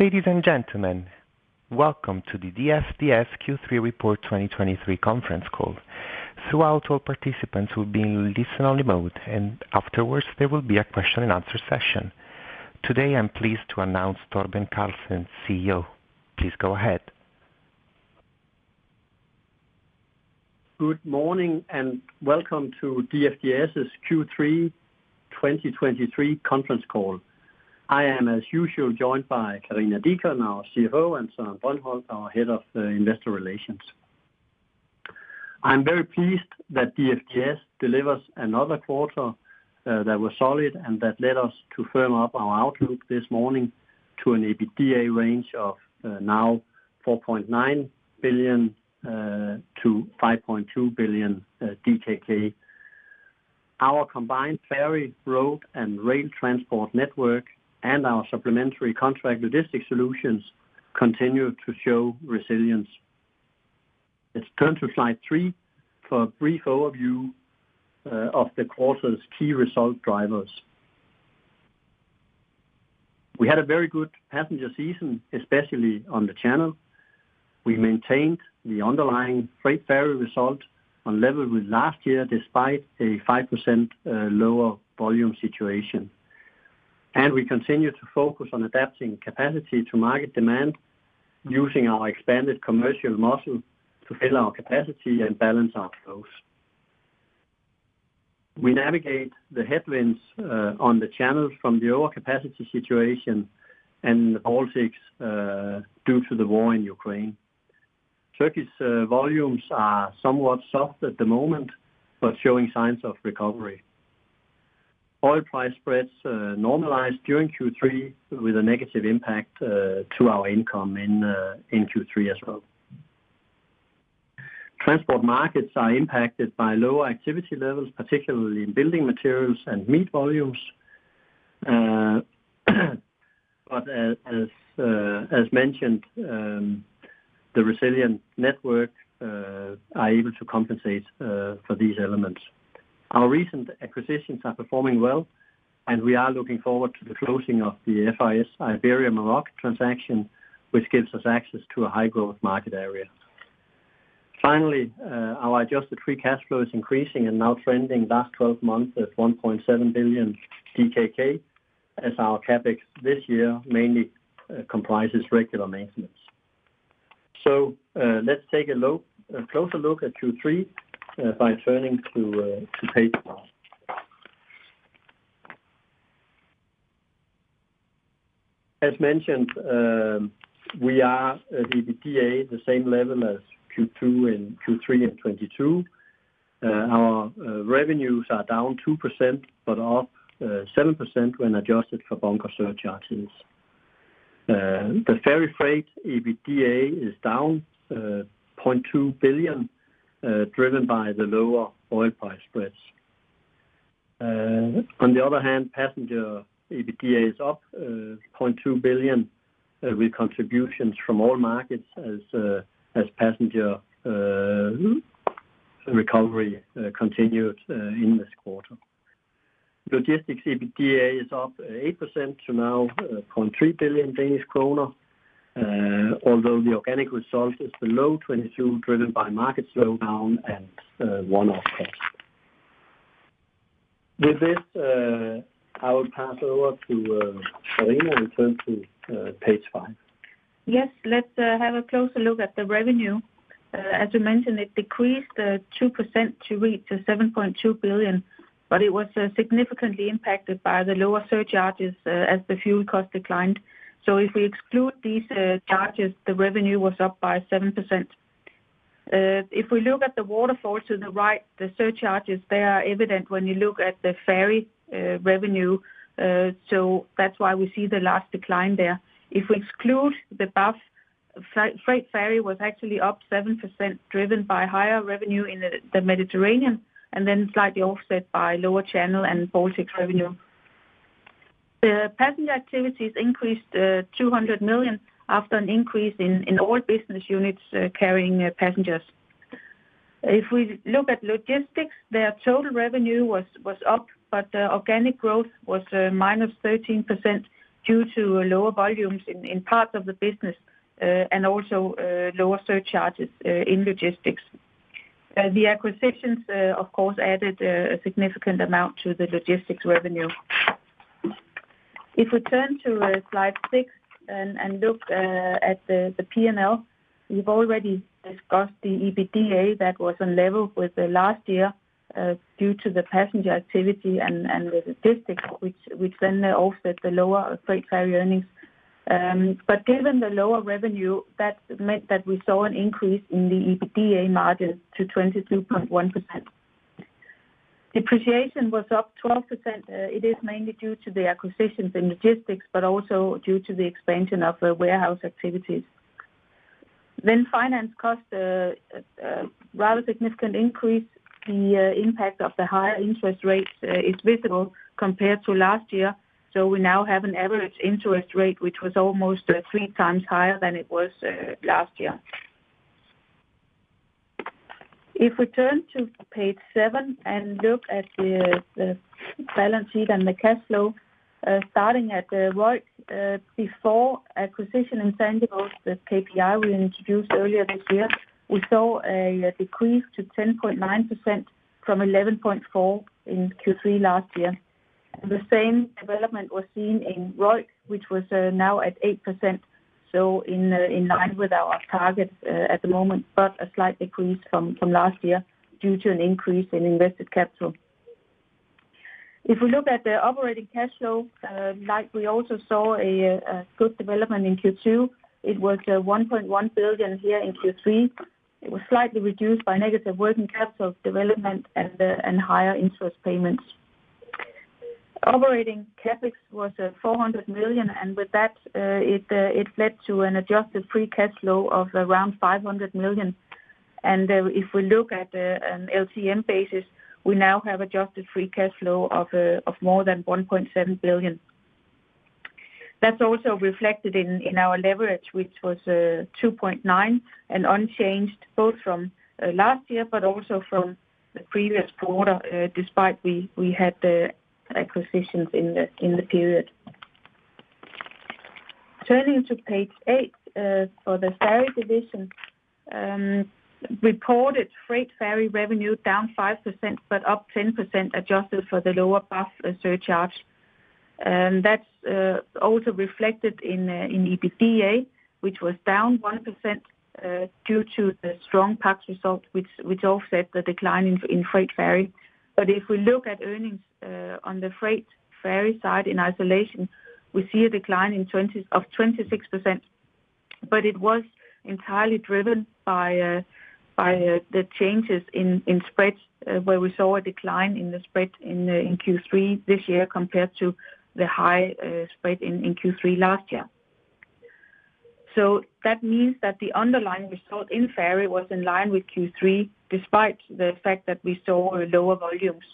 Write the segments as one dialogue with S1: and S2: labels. S1: Ladies and gentlemen, welcome to the DFDS Q3 Report 2023 conference call. Throughout, all participants will be in listen-only mode, and afterwards there will be a question-and-answer session. Today I'm pleased to announce Torben Carlsen, CEO. Please go ahead.
S2: Good morning and welcome to DFDS's Q3 2023 conference call. I am, as usual, joined by Karina Deacon, our CFO, and Søren Brønholt, our head of investor relations. I'm very pleased that DFDS delivers another quarter that was solid and that led us to firm up our outlook this morning to an EBITDA range of now 4.9 billion-5.2 billion DKK. Our combined ferry, road, and rail transport network, and our supplementary contract logistics solutions continue to show resilience. Let's turn to slide three for a brief overview of the quarter's key result drivers. We had a very good passenger season, especially on the Channel. We maintained the underlying freight/ferry result on level with last year despite a 5% lower volume situation. We continue to focus on adapting capacity to market demand using our expanded commercial muscle to fill our capacity and balance our flows. We navigate the headwinds on the Channel from the overcapacity situation and in the politics due to the war in Ukraine. Turkish volumes are somewhat soft at the moment but showing signs of recovery. Oil price spreads normalized during Q3 with a negative impact to our income in Q3 as well. Transport markets are impacted by lower activity levels, particularly in building materials and meat volumes. But as mentioned, the resilient network are able to compensate for these elements. Our recent acquisitions are performing well, and we are looking forward to the closing of the FRS Iberia/Maroc transaction, which gives us access to a high-growth market area. Finally, our adjusted free cash flow is increasing and now trending last 12 months at 1.7 billion DKK as our CAPEX this year mainly comprises regular maintenance. So let's take a closer look at Q3 by turning to page four. As mentioned, we are at EBITDA the same level as Q2 and Q3 in 2022. Our revenues are down 2% but up 7% when adjusted for bunker surcharges. The ferry freight EBITDA is down 0.2 billion driven by the lower oil price spreads. On the other hand, passenger EBITDA is up 0.2 billion with contributions from all markets as passenger recovery continued in this quarter. Logistics EBITDA is up 8% to 0.3 billion Danish kroner, although the organic result is below 2022 driven by market slowdown and one-off costs. With this, I will pass over to Karina and turn to page five.
S3: Yes. Let's have a closer look at the revenue. As you mentioned, it decreased 2% to reach 7.2 billion, but it was significantly impacted by the lower surcharges as the fuel cost declined. So if we exclude these charges, the revenue was up by 7%. If we look at the waterfall to the right, the surcharges, they are evident when you look at the ferry revenue, so that's why we see the last decline there. If we exclude the BAF, freight/ferry was actually up 7% driven by higher revenue in the Mediterranean and then slightly offset by lower Channel and Baltics revenue. The passenger activities increased 200 million after an increase in all business units carrying passengers. If we look at logistics, their total revenue was up, but the organic growth was -13% due to lower volumes in parts of the business and also lower surcharges in logistics. The acquisitions, of course, added a significant amount to the logistics revenue. If we turn to slide six and look at the P&L, we've already discussed the EBITDA that was on level with last year due to the passenger activity and the logistics, which then offset the lower freight/ferry earnings. But given the lower revenue, that meant that we saw an increase in the EBITDA margin to 22.1%. Depreciation was up 12%. It is mainly due to the acquisitions in logistics but also due to the expansion of warehouse activities. Then finance costs, rather significant increase. The impact of the higher interest rates is visible compared to last year, so we now have an average interest rate which was almost three times higher than it was last year. If we turn to page seven and look at the balance sheet and the cash flow, starting at ROIC, before acquisition intangibles the KPI we introduced earlier this year, we saw a decrease to 10.9% from 11.4% in Q3 last year. The same development was seen in ROIC, which was now at 8%, so in line with our target at the moment but a slight decrease from last year due to an increase in invested capital. If we look at the operating cash flow, we also saw a good development in Q2. It was 1.1 billion here in Q3. It was slightly reduced by negative working capital development and higher interest payments. Operating CAPEX was 400 million, and with that, it led to an adjusted free cash flow of around 500 million. If we look at an LTM basis, we now have adjusted free cash flow of more than 1.7 billion. That's also reflected in our leverage, which was 2.9 and unchanged both from last year but also from the previous quarter despite we had acquisitions in the period. Turning to page eight for the ferry division, reported freight/ferry revenue down 5% but up 10% adjusted for the lower BAF surcharge. That's also reflected in EBITDA, which was down 1% due to the strong pax result, which offset the decline in freight/ferry. But if we look at earnings on the freight/ferry side in isolation, we see a decline of 26%, but it was entirely driven by the changes in spreads where we saw a decline in the spread in Q3 this year compared to the high spread in Q3 last year. So that means that the underlying result in ferry was in line with Q3 despite the fact that we saw lower volumes,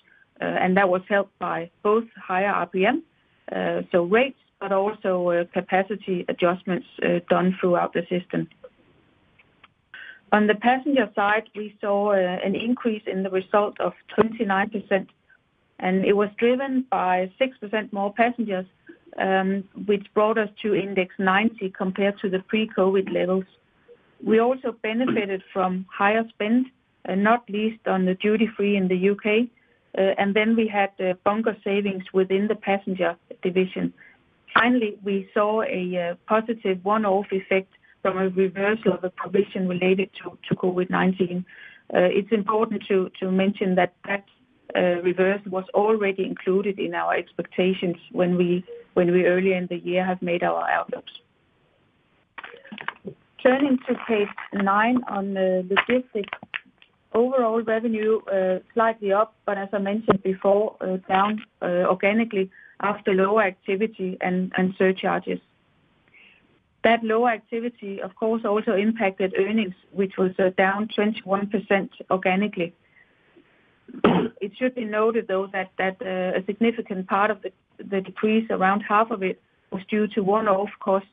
S3: and that was helped by both higher RPM, so rates, but also capacity adjustments done throughout the system. On the passenger side, we saw an increase in the result of 29%, and it was driven by 6% more passengers, which brought us to index 90 compared to the pre-COVID levels. We also benefited from higher spend, not least on the duty-free in the U.K., and then we had bunker savings within the passenger division. Finally, we saw a positive one-off effect from a reversal of a provision related to COVID-19. It's important to mention that that reversal was already included in our expectations when we earlier in the year have made our outlooks. Turning to page nine on logistics, overall revenue slightly up, but as I mentioned before, down organically after lower activity and surcharges. That lower activity, of course, also impacted earnings, which was down 21% organically. It should be noted, though, that a significant part of the decrease, around half of it, was due to one-off costs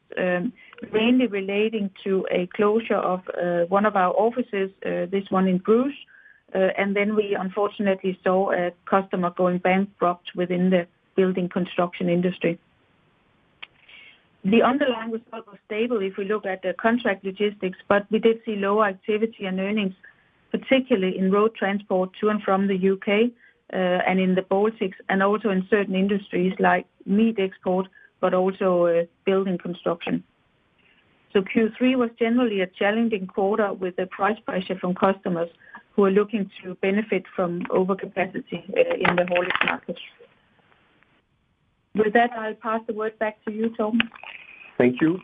S3: mainly relating to a closure of one of our offices, this one in Bruges, and then we, unfortunately, saw a customer going bankrupt within the building construction industry. The underlying result was stable if we look at the contract logistics, but we did see lower activity and earnings, particularly in road transport to and from the U.K. and in the Baltics and also in certain industries like meat export but also building construction. Q3 was generally a challenging quarter with the price pressure from customers who are looking to benefit from overcapacity in the wholesale market. With that, I'll pass the word back to you, Torben.
S2: Thank you.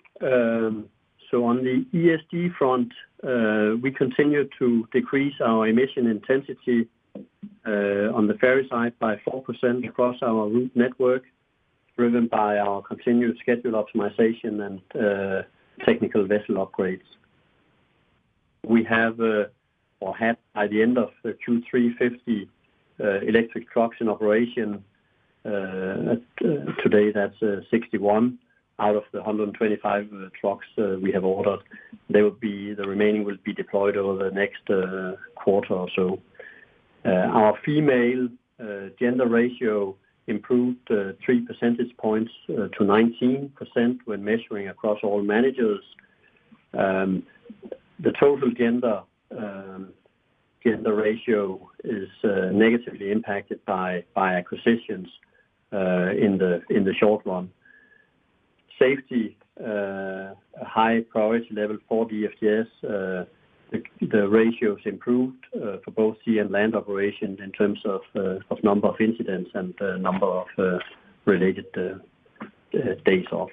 S2: So on the ESG front, we continue to decrease our emission intensity on the ferry side by 4% across our route network driven by our continuous schedule optimization and technical vessel upgrades. We have or had by the end of Q3 50 electric trucks in operation. Today, that's 61 out of the 125 trucks we have ordered. The remaining will be deployed over the next quarter or so. Our female-gender ratio improved 3 percentage points to 19% when measuring across all managers. The total gender ratio is negatively impacted by acquisitions in the short run. Safety, a high priority level for DFDS. The ratios improved for both sea and land operations in terms of number of incidents and number of related days off.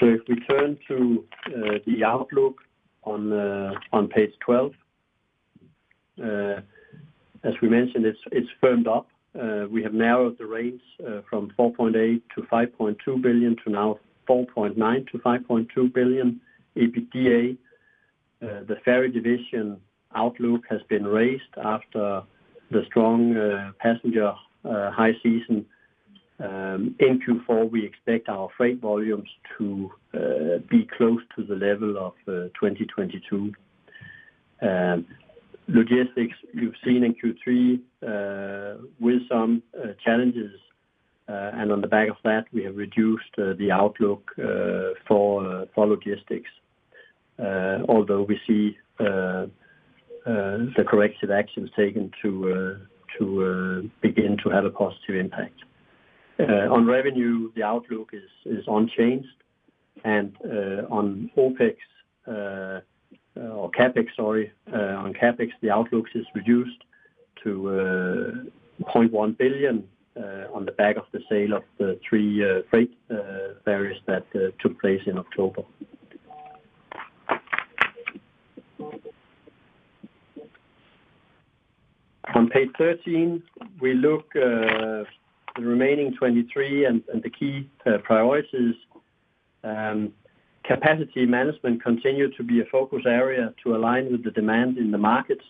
S2: So if we turn to the outlook on page 12, as we mentioned, it's firmed up. We have narrowed the range from 4.8 billion-5.2 billion to now 4.9 billion-5.2 billion EBITDA. The ferry division outlook has been raised after the strong passenger high season. In Q4, we expect our freight volumes to be close to the level of 2022. Logistics, you've seen in Q3 with some challenges, and on the back of that, we have reduced the outlook for logistics, although we see the corrective actions taken to begin to have a positive impact. On revenue, the outlook is unchanged. On OpEx or CapEx, sorry, on CapEx, the outlook is reduced to 0.1 billion on the back of the sale of the three freight ferries that took place in October. On page 13, we look the remaining 2023 and the key priorities. Capacity management continues to be a focus area to align with the demand in the markets.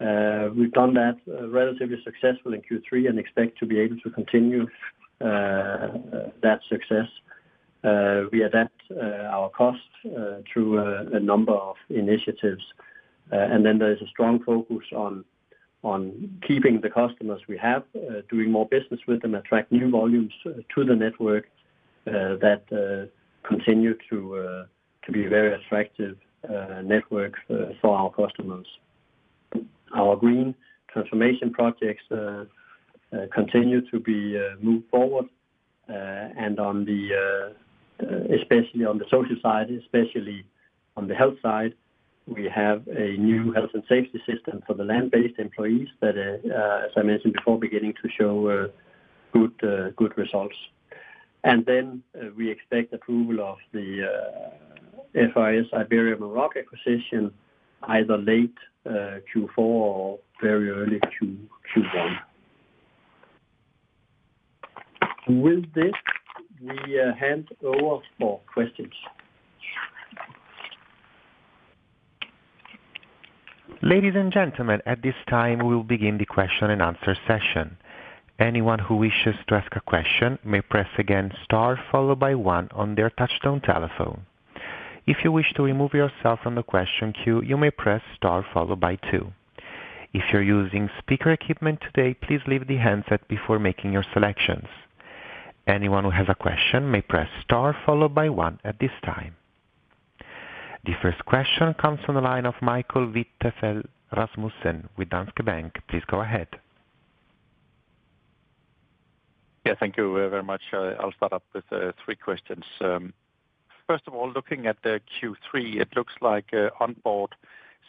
S2: We've done that relatively successfully in Q3 and expect to be able to continue that success. We adapt our costs through a number of initiatives. Then there is a strong focus on keeping the customers we have, doing more business with them, attract new volumes to the network that continue to be a very attractive network for our customers. Our green transformation projects continue to be moved forward. Especially on the social side, especially on the health side, we have a new health and safety system for the land-based employees that, as I mentioned before, is beginning to show good results. Then we expect approval of the FRS Iberia/Maroc acquisition either late Q4 or very early Q1. With this, we hand over for questions.
S1: Ladies and gentlemen, at this time, we will begin the question-and-answer session. Anyone who wishes to ask a question may press star followed by one on their touch-tone telephone. If you wish to remove yourself from the question queue, you may press star followed by two. If you're using speaker equipment today, please leave the handset before making your selections. Anyone who has a question may press star followed by one at this time. The first question comes from the line of Michael Vitfell-Rasmussen with Danske Bank. Please go ahead.
S4: Yeah. Thank you very much. I'll start up with three questions. First of all, looking at Q3, it looks like onboard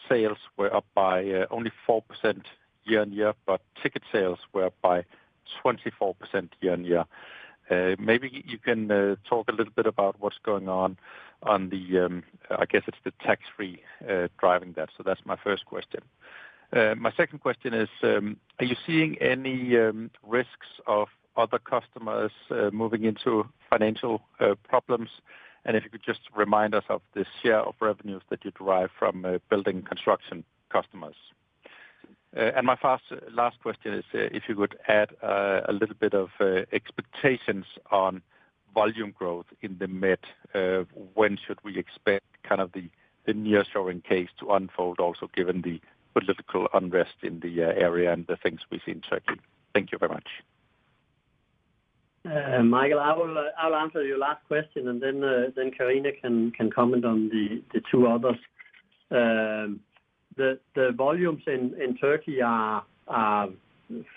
S4: sales were up by only 4% year-on-year, but ticket sales were up by 24% year-on-year. Maybe you can talk a little bit about what's going on on the I guess it's the tax-free driving that. So that's my first question. My second question is, are you seeing any risks of other customers moving into financial problems? And if you could just remind us of the share of revenues that you derive from building construction customers. And my last question is, if you could add a little bit of expectations on volume growth in the MED, when should we expect kind of the nearshoring case to unfold also given the political unrest in the area and the things we see in Turkey? Thank you very much.
S2: Michael, I'll answer your last question, and then Karina can comment on the two others. The volumes in Turkey are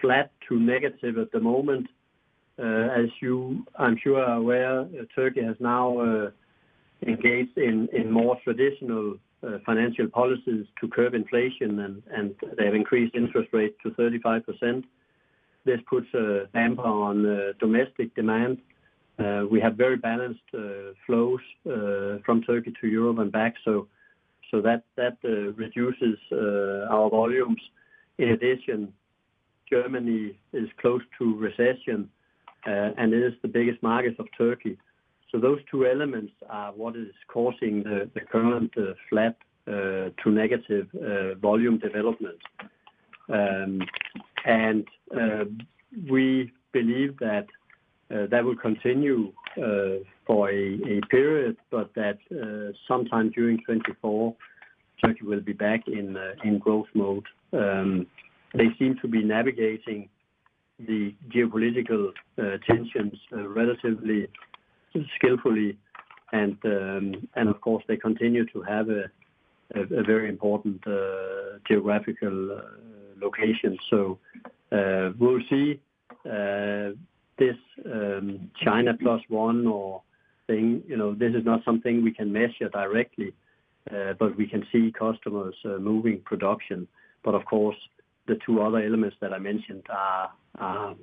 S2: flat to negative at the moment. As you're sure aware, Turkey has now engaged in more traditional financial policies to curb inflation, and they have increased interest rates to 35%. This puts a damper on domestic demand. We have very balanced flows from Turkey to Europe and back, so that reduces our volumes. In addition, Germany is close to recession, and it is the biggest market of Turkey. So those two elements are what is causing the current flat to negative volume development. We believe that that will continue for a period, but that sometime during 2024, Turkey will be back in growth mode. They seem to be navigating the geopolitical tensions relatively skillfully. Of course, they continue to have a very important geographical location. We'll see this China Plus One or thing. This is not something we can measure directly, but we can see customers moving production. Of course, the two other elements that I mentioned are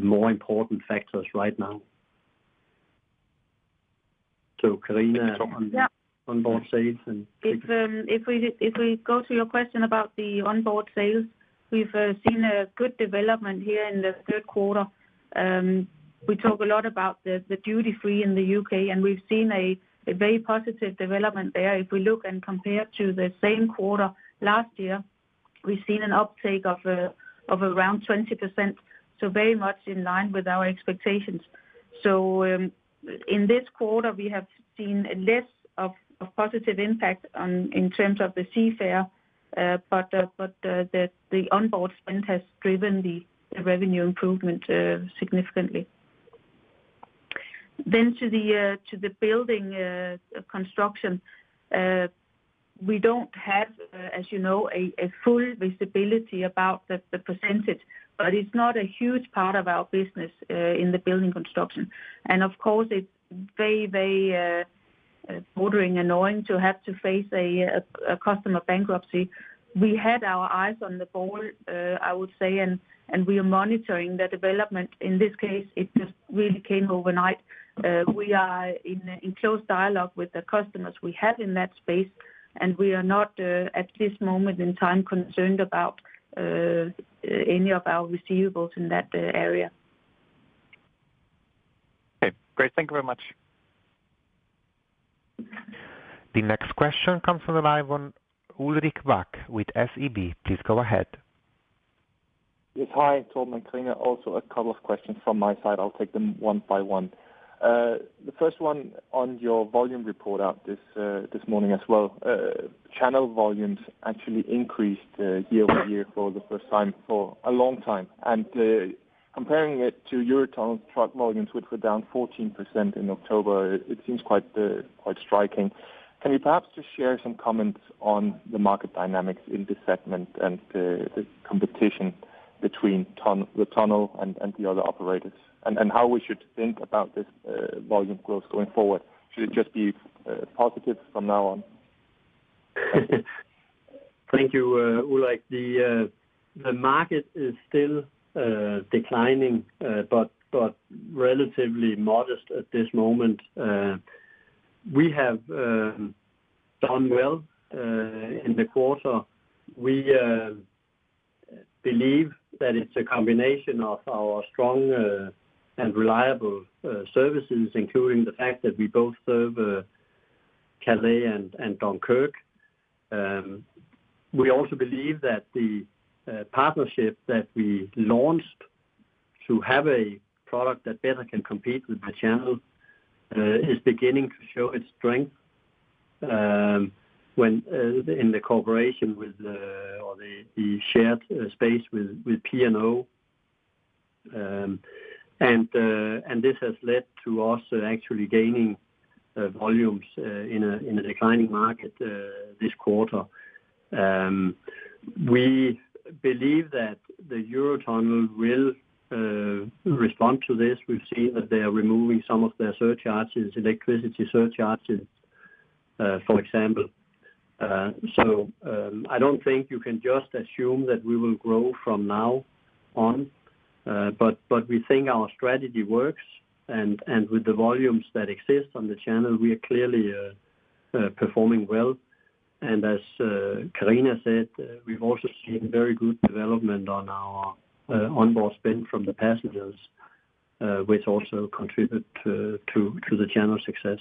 S2: more important factors right now. So Karina, onboard sales and tickets.
S3: If we go to your question about the onboard sales, we've seen a good development here in the third quarter. We talk a lot about the duty-free in the U.K., and we've seen a very positive development there. If we look and compare to the same quarter last year, we've seen an uptake of around 20%, so very much in line with our expectations. So in this quarter, we have seen less of positive impact in terms of the sea fares, but the onboard spend has driven the revenue improvement significantly. Then to the building construction, we don't have, as you know, a full visibility about the percentage, but it's not a huge part of our business in the building construction. And of course, it's very, very bloody annoying to have to face a customer bankruptcy. We had our eyes on the ball, I would say, and we are monitoring the development. In this case, it just really came overnight. We are in close dialogue with the customers we have in that space, and we are not, at this moment in time, concerned about any of our receivables in that area.
S4: Okay. Great. Thank you very much.
S1: The next question comes from the line from Ulrik Bak with SEB. Please go ahead.
S5: Yes. Hi, Torben and Karina. Also a couple of questions from my side. I'll take them one by one. The first one on your volume report out this morning as well. Channel volumes actually increased year-over-year for the first time for a long time. And comparing it to Eurotunnel truck volumes, which were down 14% in October, it seems quite striking. Can you perhaps just share some comments on the market dynamics in this segment and the competition between the tunnel and the other operators and how we should think about this volume growth going forward? Should it just be positive from now on?
S2: Thank you, Ulrik. The market is still declining but relatively modest at this moment. We have done well in the quarter. We believe that it's a combination of our strong and reliable services, including the fact that we both serve Calais and Dunkirk. We also believe that the partnership that we launched to have a product that better can compete with the Channel is beginning to show its strength in the cooperation or the shared space with P&O. And this has led to us actually gaining volumes in a declining market this quarter. We believe that the Eurotunnel will respond to this. We've seen that they are removing some of their surcharges, electricity surcharges, for example. So I don't think you can just assume that we will grow from now on. But we think our strategy works. With the volumes that exist on the Channel, we are clearly performing well. As Karina said, we've also seen very good development on our onboard spend from the passengers, which also contributed to the Channel success.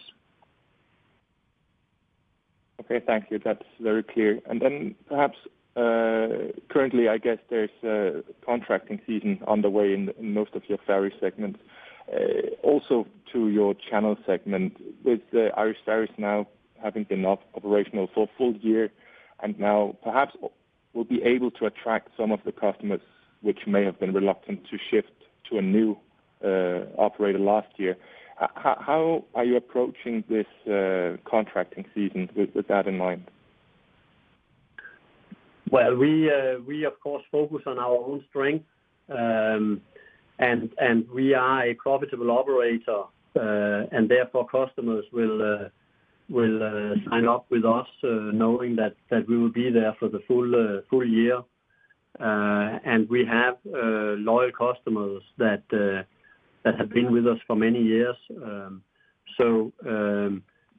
S5: Okay. Thank you. That's very clear. And then perhaps currently, I guess there's a contracting season underway in most of your ferry segments. Also to your Channel segment, with Irish Ferries now having been operational for a full year and now perhaps will be able to attract some of the customers which may have been reluctant to shift to a new operator last year, how are you approaching this contracting season with that in mind?
S2: Well, we, of course, focus on our own strength. We are a profitable operator, and therefore, customers will sign up with us knowing that we will be there for the full year. We have loyal customers that have been with us for many years. So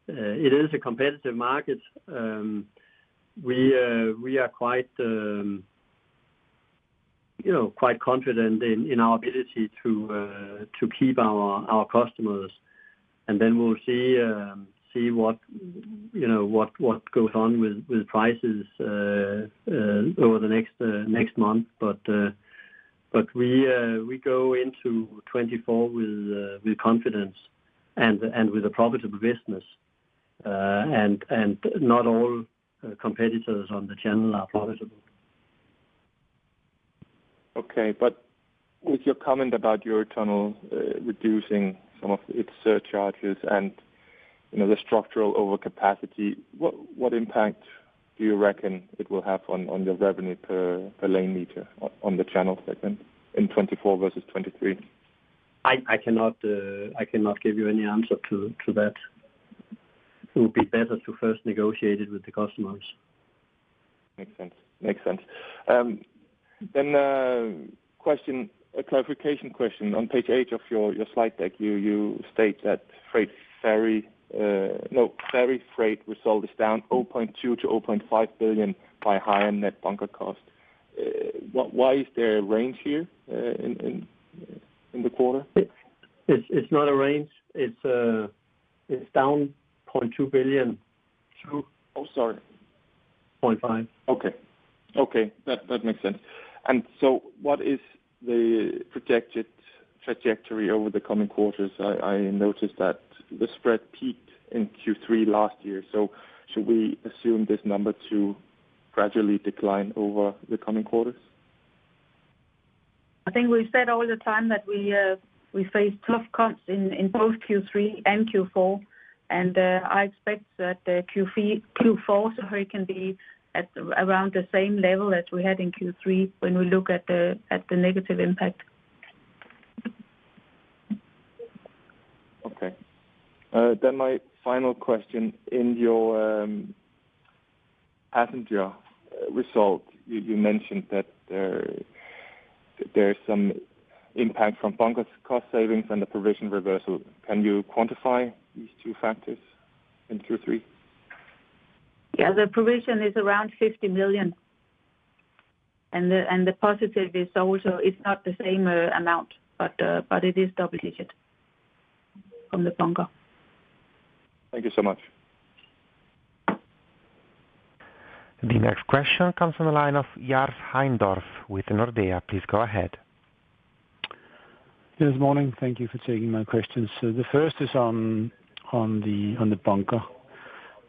S2: it is a competitive market. We are quite confident in our ability to keep our customers. Then we'll see what goes on with prices over the next month. But we go into 2024 with confidence and with a profitable business. Not all competitors on the Channel are profitable.
S5: Okay. But with your comment about Eurotunnel reducing some of its surcharges and the structural overcapacity, what impact do you reckon it will have on your revenue per lane meter on the Channel segment in 2024 versus 2023?
S2: I cannot give you any answer to that. It would be better to first negotiate it with the customers.
S5: Makes sense. Makes sense. Then a clarification question. On page eight of your slide deck, you state that ferry freight result is down 0.2 billion-0.5 billion by higher net bunker cost. Why is there a range here in the quarter?
S2: It's not a range. It's down 0.2 billion to. Oh, sorry. 0.5.
S5: Okay. Okay. That makes sense. And so what is the projected trajectory over the coming quarters? I noticed that the spread peaked in Q3 last year. So should we assume this number to gradually decline over the coming quarters?
S3: I think we've said all the time that we face tough comps in both Q3 and Q4. I expect that Q4's headwind be around the same level that we had in Q3 when we look at the negative impact.
S5: Okay. Then my final question. In your passenger result, you mentioned that there's some impact from bunker cost savings and the provision reversal. Can you quantify these two factors in Q3?
S3: Yeah. The provision is around 50 million. The positive is also it's not the same amount, but it is double-digit from the bunker.
S5: Thank you so much.
S1: The next question comes from the line of Lars Heindorff with Nordea. Please go ahead.
S6: Yes. Morning. Thank you for taking my questions. So the first is on the bunker.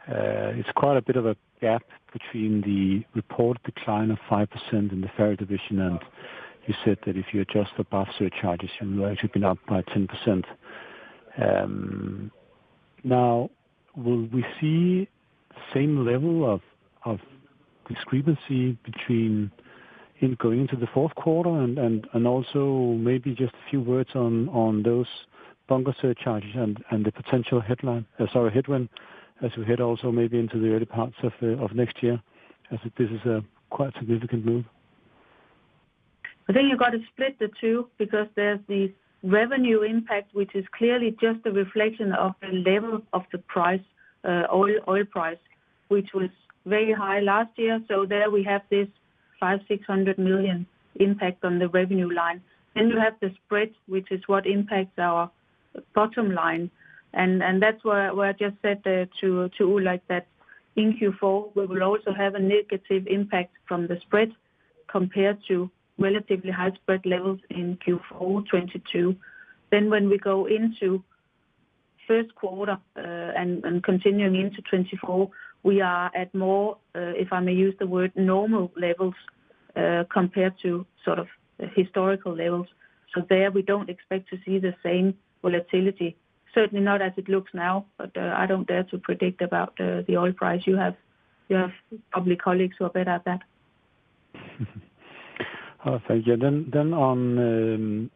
S6: It's quite a bit of a gap between the reported decline of 5% in the ferry division. And you said that if you adjust above surcharges, you'll actually be up by 10%. Now, will we see same level of discrepancy going into the fourth quarter? And also maybe just a few words on those bunker surcharges and the potential headline sorry, headwind as we head also maybe into the early parts of next year as this is a quite significant move?
S3: I think you've got to split the two because there's this revenue impact, which is clearly just a reflection of the level of the oil price, which was very high last year. So there we have this 5,600 million impact on the revenue line. Then you have the spread, which is what impacts our bottom line. And that's where I just said to Ulrik that in Q4, we will also have a negative impact from the spread compared to relatively high spread levels in Q4 2022. Then when we go into first quarter and continuing into 2024, we are at more, if I may use the word, normal levels compared to sort of historical levels. So there, we don't expect to see the same volatility, certainly not as it looks now. But I don't dare to predict about the oil price. You have probably colleagues who are better at that.
S6: Thank you. Then on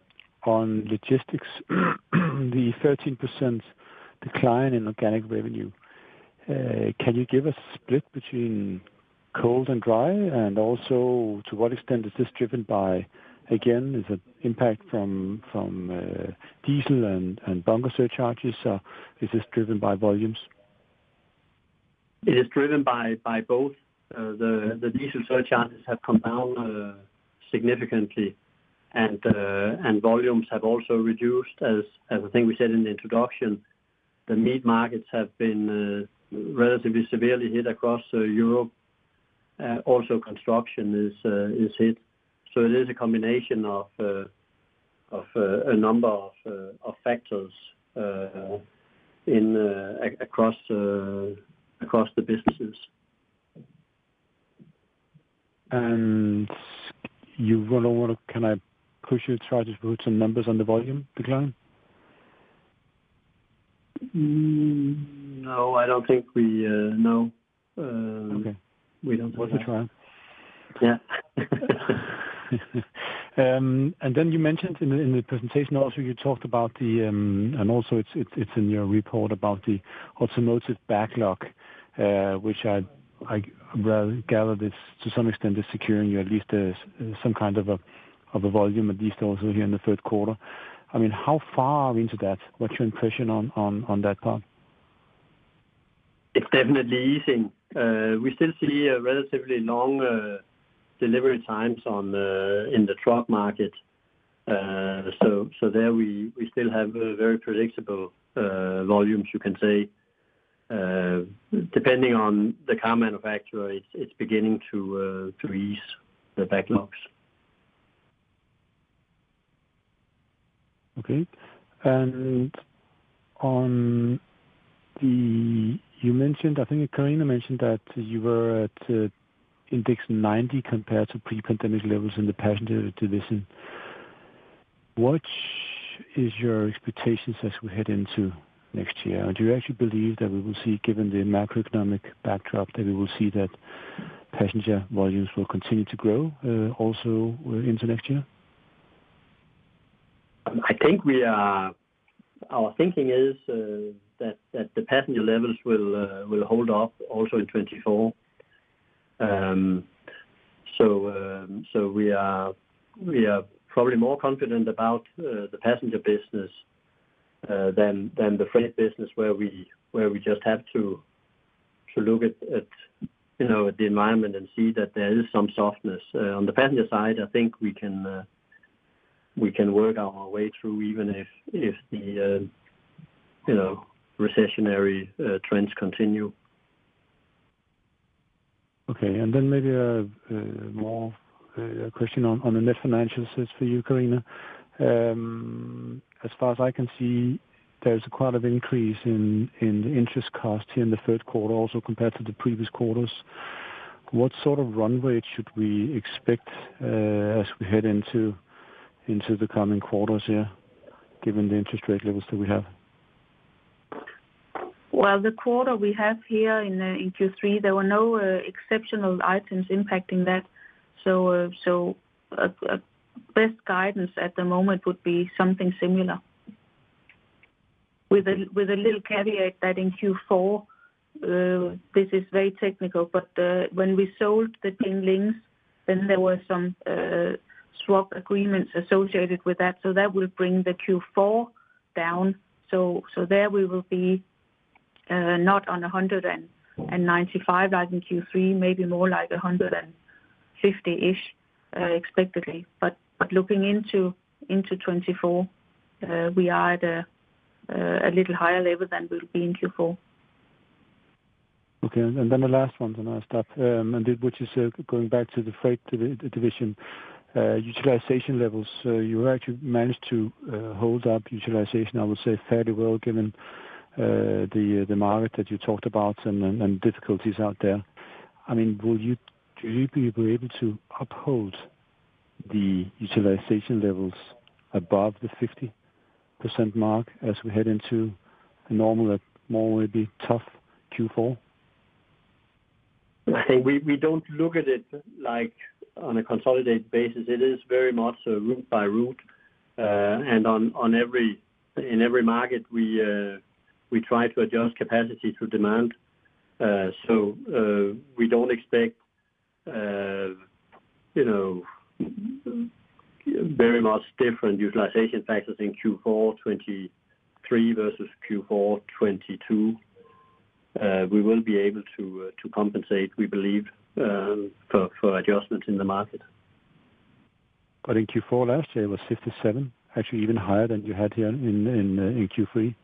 S6: logistics, the 13% decline in organic revenue, can you give us a split between cold and dry? And also to what extent is this driven by again, is it impact from diesel and bunker surcharges, or is this driven by volumes?
S2: It is driven by both. The diesel surcharges have come down significantly, and volumes have also reduced. As I think we said in the introduction, the meat markets have been relatively severely hit across Europe. Also, construction is hit. So it is a combination of a number of factors across the businesses.
S6: Can I push you to try to put some numbers on the volume decline?
S2: No. I don't think we no. We don't think so.
S6: Worth a try.
S2: Yeah.
S6: And then you mentioned in the presentation also, you talked about the, and also it's in your report about the automotive backlog, which I gather to some extent is securing you at least some kind of a volume, at least also here in the third quarter. I mean, how far are we into that? What's your impression on that part?
S2: It's definitely easing. We still see relatively long delivery times in the truck market. So there, we still have very predictable volumes, you can say. Depending on the car manufacturer, it's beginning to ease the backlogs.
S6: Okay. And you mentioned I think Karina mentioned that you were at index 90 compared to pre-pandemic levels in the passenger division. What is your expectations as we head into next year? And do you actually believe that we will see, given the macroeconomic backdrop, that we will see that passenger volumes will continue to grow also into next year?
S2: I think our thinking is that the passenger levels will hold up also in 2024. So we are probably more confident about the passenger business than the freight business where we just have to look at the environment and see that there is some softness. On the passenger side, I think we can work our way through even if the recessionary trends continue.
S6: Okay. And then maybe another question on the net financials for you, Karina. As far as I can see, there's quite an increase in the interest cost here in the third quarter also compared to the previous quarters. What sort of runway should we expect as we head into the coming quarters here, given the interest rate levels that we have?
S3: Well, the quarter we have here in Q3, there were no exceptional items impacting that. So best guidance at the moment would be something similar, with a little caveat that in Q4, this is very technical. But when we sold the King's Lynn, then there were some swap agreements associated with that. So that will bring the Q4 down. So there, we will be not on 195 like in Q3, maybe more like 150-ish expectedly. But looking into 2024, we are at a little higher level than we'll be in Q4.
S6: Okay. And then the last one, then I'll stop, which is going back to the freight division, utilization levels. You actually managed to hold up utilization, I would say, fairly well given the market that you talked about and difficulties out there. I mean, will you be able to uphold the utilization levels above the 50% mark as we head into a normal, more maybe tough Q4?
S2: I think we don't look at it on a consolidated basis. It is very much route by route. And in every market, we try to adjust capacity to demand. So we don't expect very much different utilization factors in Q4 2023 versus Q4 2022. We will be able to compensate, we believe, for adjustments in the market.
S6: But in Q4 last year, it was 57, actually even higher than you had here in Q3.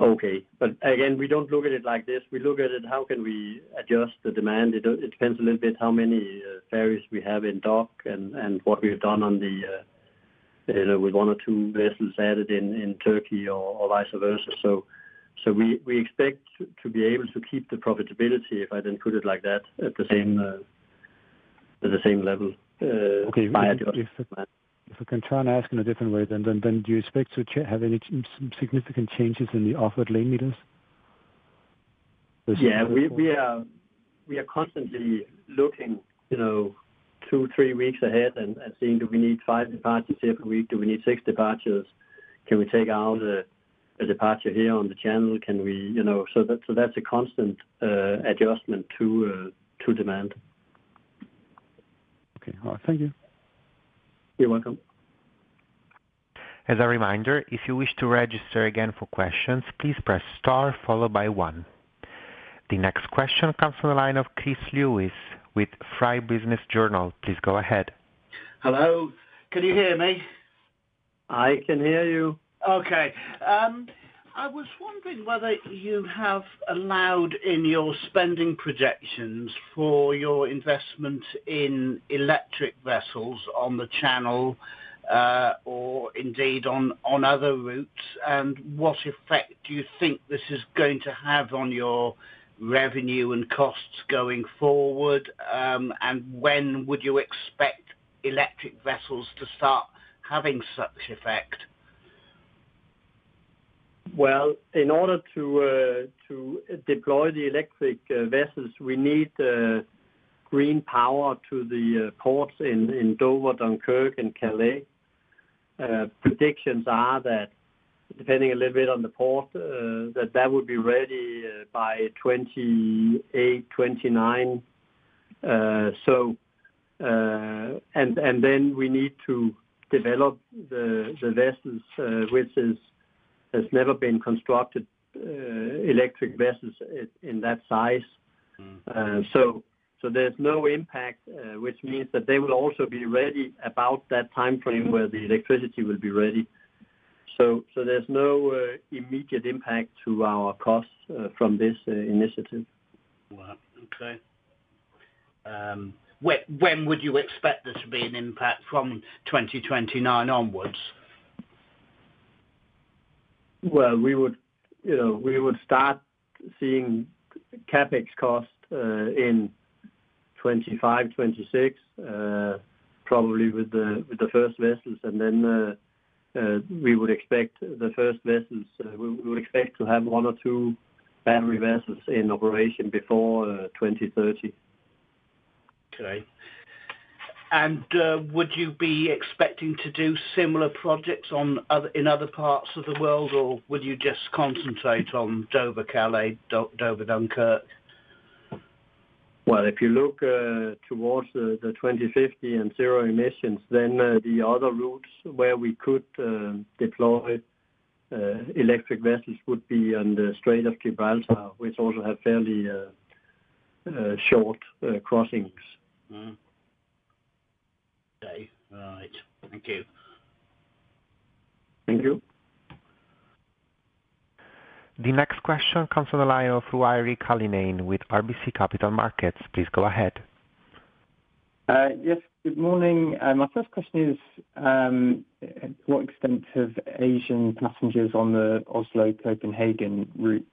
S2: Okay. But again, we don't look at it like this. We look at it, how can we adjust the demand? It depends a little bit how many ferries we have in dock and what we've done on the with one or two vessels added in Turkey or vice versa. So we expect to be able to keep the profitability, if I then put it like that, at the same level by adjustment.
S6: Okay. If I can try and ask in a different way, then do you expect to have any significant changes in the offered lane meters?
S2: Yeah. We are constantly looking two to three weeks ahead and seeing, do we need five departures here per week? Do we need six departures? Can we take out a departure here on the Channel? Can we? So that's a constant adjustment to demand.
S6: Okay. All right. Thank you.
S2: You're welcome.
S1: As a reminder, if you wish to register again for questions, please press star followed by one. The next question comes from the line of Chris Lewis with Freight Business Journal. Please go ahead.
S7: Hello. Can you hear me?
S2: I can hear you.
S7: Okay. I was wondering whether you have allowed in your spending projections for your investment in electric vessels on the Channel or indeed on other routes. And what effect do you think this is going to have on your revenue and costs going forward? And when would you expect electric vessels to start having such effect?
S2: Well, in order to deploy the electric vessels, we need green power to the ports in Dover, Dunkirk, and Calais. Predictions are that, depending a little bit on the port, that that would be ready by 2028, 2029. And then we need to develop the vessels, which has never been constructed, electric vessels in that size. So there's no impact, which means that they will also be ready about that timeframe where the electricity will be ready. So there's no immediate impact to our costs from this initiative.
S7: All right. Okay. When would you expect this to be an impact from 2029 onwards?
S2: Well, we would start seeing CAPEX cost in 2025, 2026, probably with the first vessels. And then we would expect the first vessels to have one or two battery vessels in operation before 2030.
S7: Okay. And would you be expecting to do similar projects in other parts of the world, or would you just concentrate on Dover, Calais, Dover, Dunkirk?
S2: Well, if you look towards the 2050 and zero emissions, then the other routes where we could deploy electric vessels would be on the Strait of Gibraltar, which also have fairly short crossings.
S7: Okay. All right. Thank you.
S2: Thank you.
S1: The next question comes from the line of Ruairi Cullinane with RBC Capital Markets. Please go ahead.
S8: Yes. Good morning. My first question is, to what extent have Asian passengers on the Oslo-Copenhagen route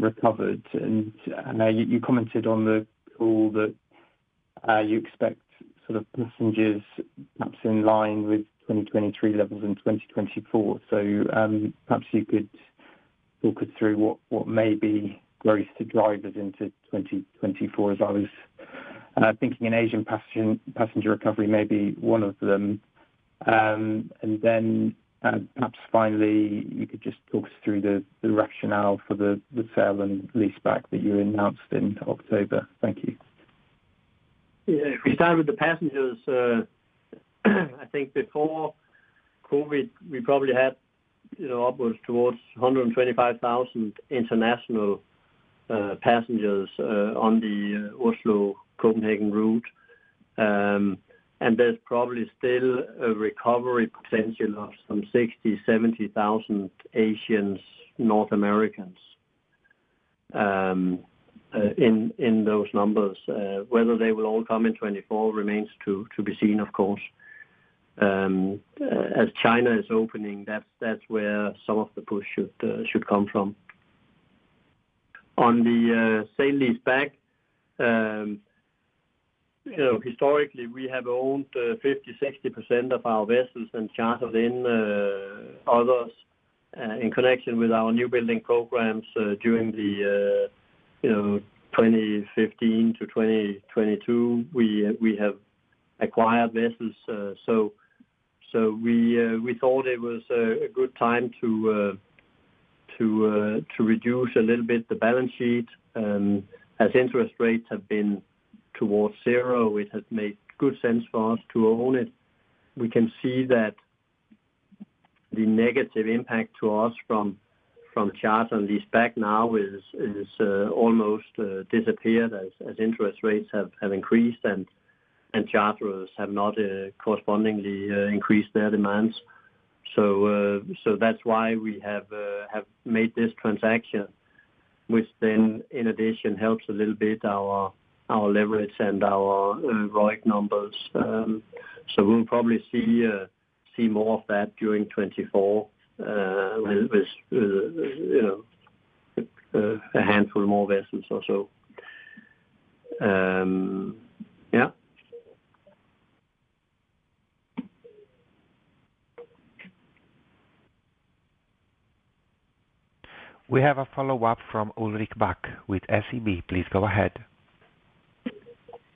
S8: recovered? And you commented on the call that you expect sort of passengers perhaps in line with 2023 levels in 2024. So perhaps you could talk us through what may be growth drivers into 2024, as I was thinking, and Asian passenger recovery may be one of them. And then perhaps finally, you could just talk us through the rationale for the sale and lease back that you announced in October. Thank you.
S2: Yeah. If we start with the passengers, I think before COVID, we probably had upwards towards 125,000 international passengers on the Oslo-Copenhagen route. And there's probably still a recovery potential of some 60,000-70,000 Asians, North Americans, in those numbers. Whether they will all come in 2024 remains to be seen, of course. As China is opening, that's where some of the push should come from. On the sale lease back, historically, we have owned 50%-60% of our vessels and chartered in others in connection with our new building programs during the 2015-2022. We have acquired vessels. So we thought it was a good time to reduce a little bit the balance sheet. As interest rates have been towards zero, it has made good sense for us to own it. We can see that the negative impact to us from charter and lease back now has almost disappeared as interest rates have increased and charterers have not correspondingly increased their demands. So that's why we have made this transaction, which then in addition helps a little bit our leverage and our ROIC numbers. So we'll probably see more of that during 2024 with a handful more vessels or so. Yeah.
S1: We have a follow-up from Ulrik Bak with SEB. Please go ahead.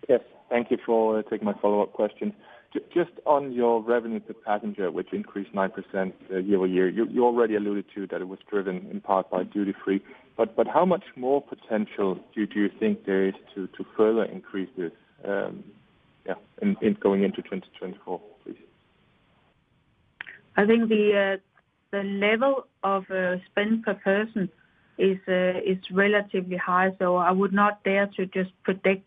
S5: Yes. Thank you for taking my follow-up question. Just on your revenue per passenger, which increased 9% year-over-year, you already alluded to that it was driven in part by duty free. But how much more potential do you think there is to further increase this, yeah, going into 2024, please?
S3: I think the level of spend per person is relatively high. So I would not dare to just project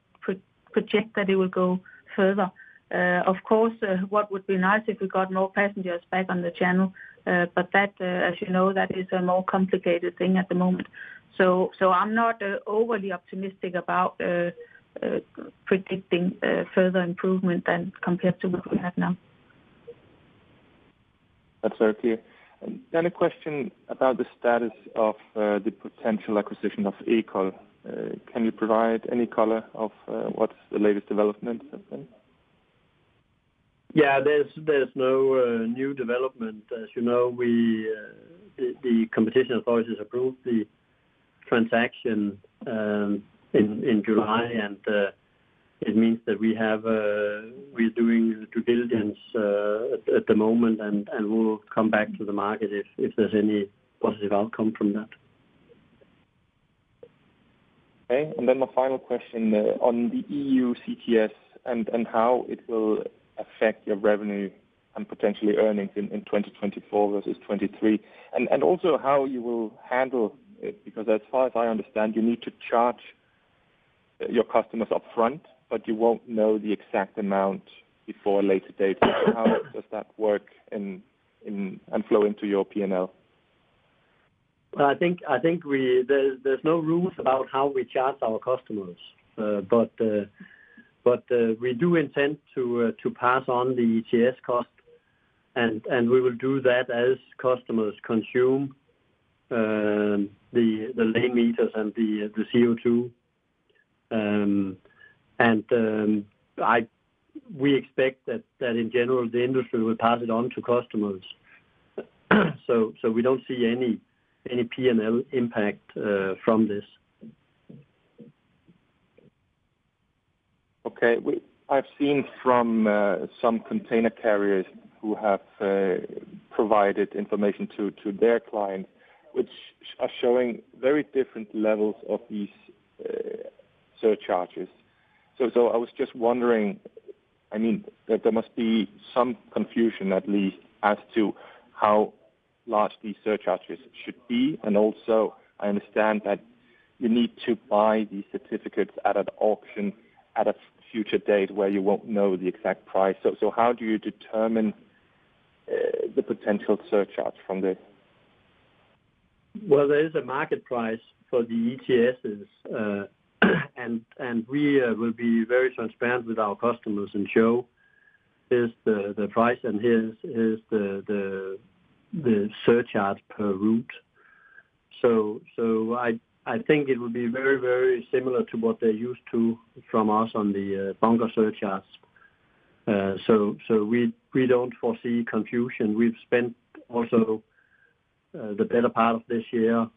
S3: that it will go further. Of course, what would be nice if we got more passengers back on the Channel. But as you know, that is a more complicated thing at the moment. So I'm not overly optimistic about predicting further improvement than compared to what we have now.
S5: That's very clear. And then a question about the status of the potential acquisition of Ekol. Can you provide any color of what's the latest development there's been?
S2: Yeah. There's no new development. As you know, the competition authorities approved the transaction in July. It means that we're doing due diligence at the moment. We'll come back to the market if there's any positive outcome from that.
S5: Okay. And then my final question on the EU ETS and how it will affect your revenue and potentially earnings in 2024 versus 2023, and also how you will handle it. Because as far as I understand, you need to charge your customers upfront, but you won't know the exact amount before a later date. How does that work and flow into your P&L?
S2: Well, I think there's no rules about how we charge our customers. We do intend to pass on the ETS cost. We will do that as customers consume the lane meters and the CO2. We expect that in general, the industry will pass it on to customers. We don't see any P&L impact from this.
S5: Okay. I've seen from some container carriers who have provided information to their clients, which are showing very different levels of these surcharges. So I was just wondering, I mean, there must be some confusion at least as to how large these surcharges should be. And also, I understand that you need to buy these certificates at an auction at a future date where you won't know the exact price. So how do you determine the potential surcharge from this?
S2: Well, there is a market price for the ETSs. We will be very transparent with our customers and show, "Here's the price, and here's the surcharge per route." I think it will be very, very similar to what they're used to from us on the bunker surcharges. We don't foresee confusion. We've spent also the better part of this year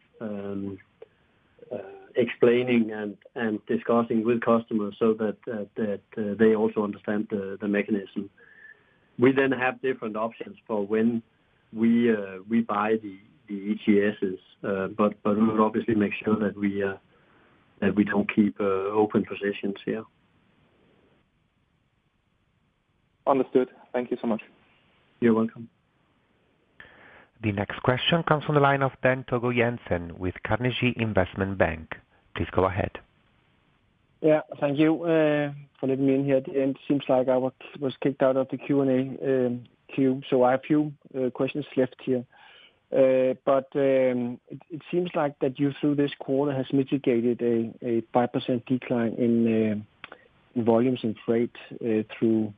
S2: explaining and discussing with customers so that they also understand the mechanism. We then have different options for when we buy the ETSs. We would obviously make sure that we don't keep open positions here.
S5: Understood. Thank you so much.
S2: You're welcome.
S1: The next question comes from the line of Dan Togo Jensen with Carnegie Investment Bank. Please go ahead.
S9: Yeah. Thank you for letting me in here. It seems like I was kicked out of the Q&A queue. So I have a few questions left here. But it seems like that you, through this quarter, have mitigated a 5% decline in volumes and freight through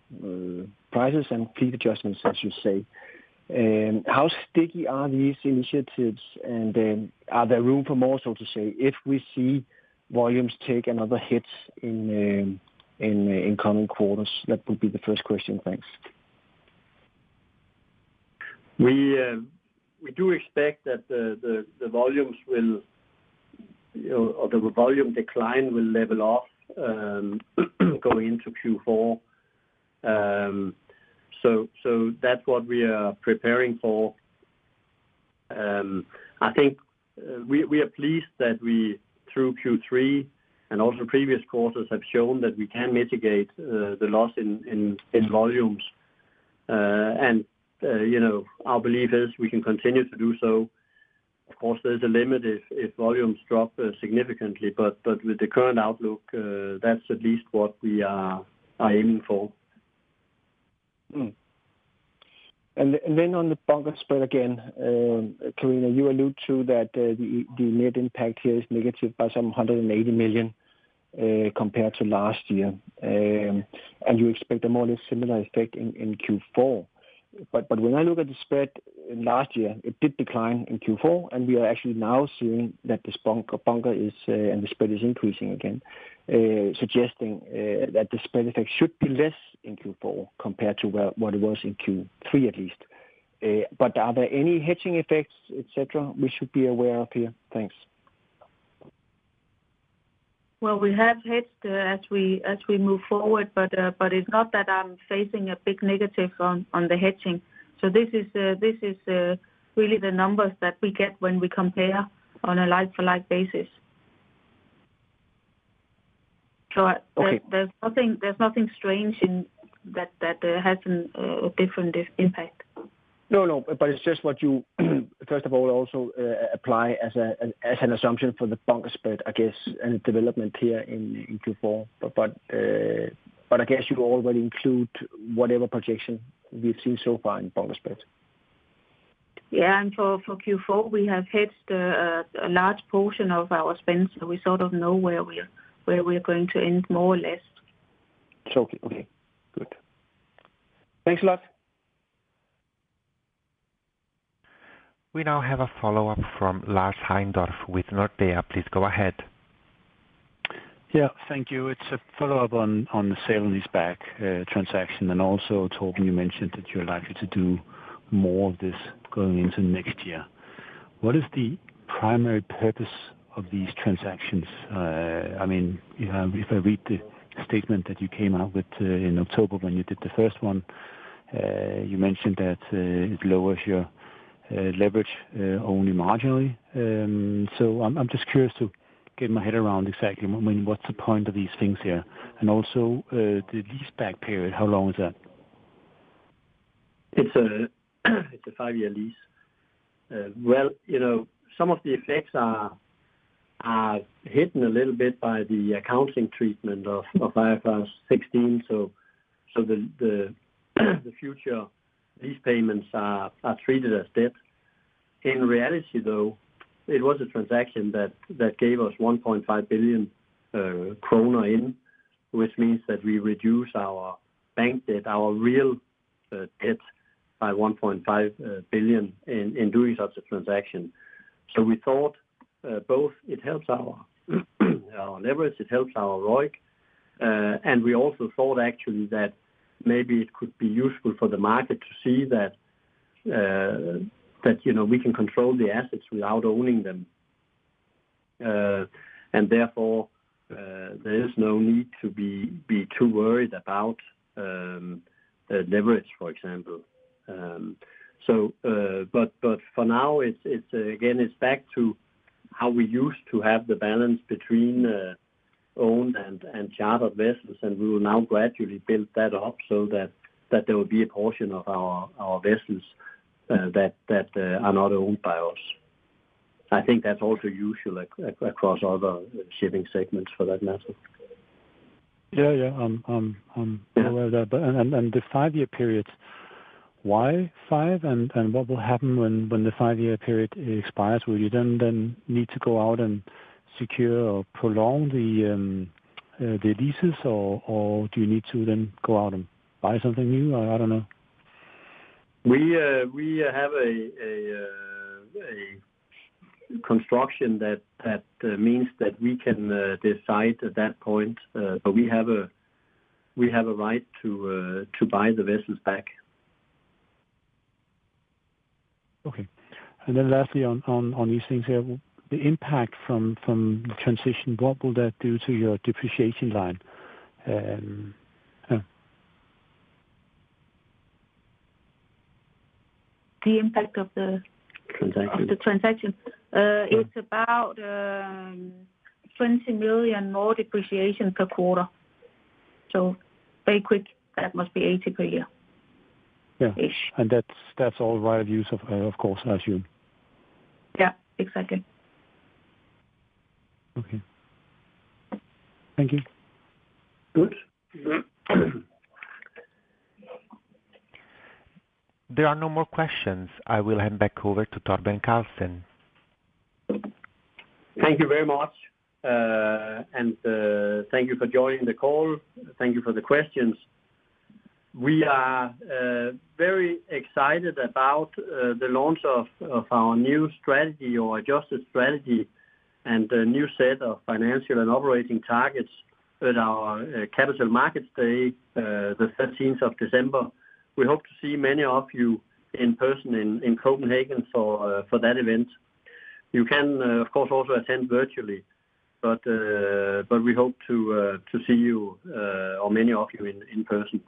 S9: prices and fleet adjustments, as you say. How sticky are these initiatives? And are there room for more so to say if we see volumes take another hit in coming quarters? That would be the first question. Thanks.
S2: We do expect that the volumes will or the volume decline will level off going into Q4. So that's what we are preparing for. I think we are pleased that we, through Q3 and also previous quarters, have shown that we can mitigate the loss in volumes. And our belief is we can continue to do so. Of course, there's a limit if volumes drop significantly. But with the current outlook, that's at least what we are aiming for.
S9: Then on the bunker spread again, Karina, you alluded to that the net impact here is negative by some 180 million compared to last year. You expect a more or less similar effect in Q4. But when I look at the spread last year, it did decline in Q4. And we are actually now seeing that this bunker is and the spread is increasing again, suggesting that the spread effect should be less in Q4 compared to what it was in Q3, at least. But are there any hedging effects, etc., we should be aware of here? Thanks.
S3: Well, we have hedged as we move forward. But it's not that I'm facing a big negative on the hedging. So this is really the numbers that we get when we compare on a like-for-like basis. So there's nothing strange in that has a different impact.
S9: No, no. But it's just what you, first of all, also apply as an assumption for the bunker spread, I guess, and the development here in Q4. But I guess you already include whatever projection we've seen so far in bunker spreads.
S3: Yeah. And for Q4, we have hedged a large portion of our spend. So we sort of know where we're going to end more or less.
S9: Totally. Okay. Good. Thanks a lot.
S1: We now have a follow-up from Lars Heindorff with Nordea. Please go ahead.
S6: Yeah. Thank you. It's a follow-up on the sale and lease back transaction. And also, Torben, you mentioned that you're likely to do more of this going into next year. What is the primary purpose of these transactions? I mean, if I read the statement that you came out with in October when you did the first one, you mentioned that it lowers your leverage only marginally. So I'm just curious to get my head around exactly. I mean, what's the point of these things here? And also, the lease back period, how long is that?
S2: It's a five-year lease. Well, some of the effects are hidden a little bit by the accounting treatment of IFRS 16. So the future lease payments are treated as debt. In reality, though, it was a transaction that gave us 1.5 billion kroner in, which means that we reduce our bank debt, our real debt, by 1.5 billion in doing such a transaction. So we thought both it helps our leverage, it helps our ROIC. And we also thought, actually, that maybe it could be useful for the market to see that we can control the assets without owning them. And therefore, there is no need to be too worried about leverage, for example. But for now, again, it's back to how we used to have the balance between owned and chartered vessels. We will now gradually build that up so that there will be a portion of our vessels that are not owned by us. I think that's also usual across other shipping segments, for that matter.
S6: Yeah, yeah. I'm aware of that. And the five-year period, why five? And what will happen when the five-year period expires? Will you then need to go out and secure or prolong the leases? Or do you need to then go out and buy something new? I don't know.
S2: We have a construction that means that we can decide at that point. So we have a right to buy the vessels back.
S6: Okay. And then lastly, on these things here, the impact from the transition, what will that do to your depreciation line?
S3: The impact of the transaction? It's about 20 million more depreciation per quarter. So very quick, that must be 80 million per year-ish.
S6: And that's all right-of-use, of course, I assume?
S3: Yeah. Exactly.
S6: Okay. Thank you.
S3: Good.
S1: There are no more questions. I will hand back over to Torben Carlsen.
S2: Thank you very much. Thank you for joining the call. Thank you for the questions. We are very excited about the launch of our new strategy or adjusted strategy and new set of financial and operating targets at our Capital Markets Day, the 13th of December. We hope to see many of you in person in Copenhagen for that event. You can, of course, also attend virtually. But we hope to see you or many of you in person.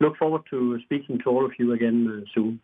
S2: Look forward to speaking to all of you again soon.